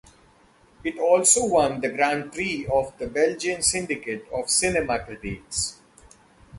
It also won the Grand Prix of the Belgian Syndicate of Cinema Critics.